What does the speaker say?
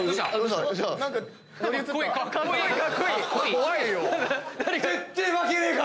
怖いよ。